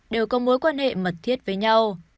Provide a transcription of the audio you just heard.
đều có mối quan hệ mật thiết với nhau